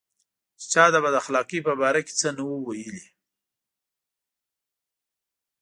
چې چا د بد اخلاقۍ په باره کې څه نه وو ویلي.